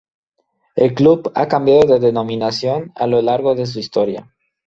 El club ha cambiado de denominación a lo largo de su historia.